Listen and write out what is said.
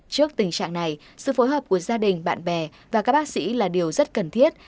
trước tình trạng này sự phối hợp của gia đình bạn bè và các bác sĩ là điều rất cần thiết